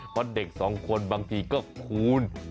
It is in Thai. เพราะเด็กสองคนบางทีก็คูณ